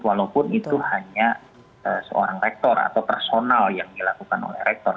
walaupun itu hanya seorang rektor atau personal yang dilakukan oleh rektor